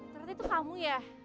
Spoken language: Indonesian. ternyata itu kamu ya